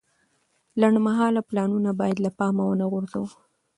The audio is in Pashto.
لنډمهاله پلانونه باید له پامه ونه غورځوو.